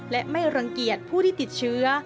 และไม่รังเกียจผู้ที่ติดเชื้อ